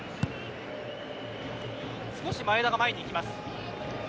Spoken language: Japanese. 少し前田が前にいきます。